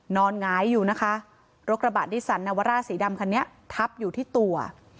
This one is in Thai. หงายอยู่นะคะรถกระบะนิสันนาวาร่าสีดำคันนี้ทับอยู่ที่ตัว